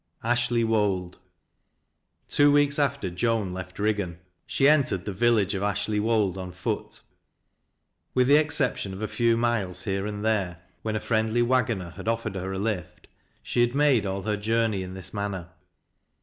A8H1BT W0LD. Two weeks after Joan left Riggan, she entered the vil Ifeffe of Ashley Wold on foot. With the exception of t few miles here and there, when a friendly wagoner had offered her a lift, she had made all her journey in thie manner.